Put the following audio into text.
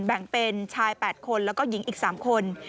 แบ่งเป็นชาย๘คนแล้วก็หญิงอีก๓คน